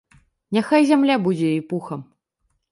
Няхай зямля будзе ёй пухам!